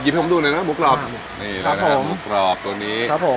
ให้ผมดูหน่อยนะหมูกรอบนี่นะครับหมูกรอบตัวนี้ครับผม